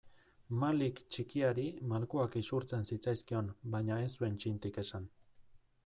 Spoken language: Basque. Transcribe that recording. Malik txikiari malkoak isurtzen zitzaizkion baina ez zuen txintik esan.